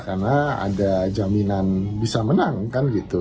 karena ada jaminan bisa menang kan gitu